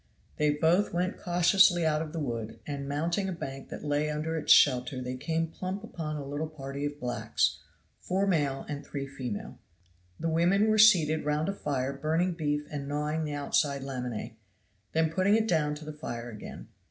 They both went cautiously out of the wood, and mounting a bank that lay under its shelter they came plump upon a little party of blacks, four male and three female. The women were seated round a fire burning beef and gnawing the outside laminae, then putting it down to the fire again.